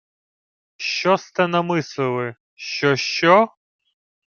— Що сте намислили? Що, що!?